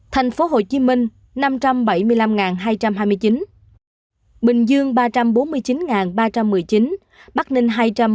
thành phố hồ chí minh hai năm mươi hai